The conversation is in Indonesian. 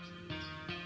tidur mulu pak aji